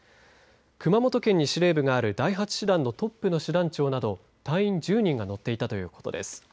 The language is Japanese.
熊本に司令部がある第８師団トップの師団長など隊員１０人が乗っていたということです。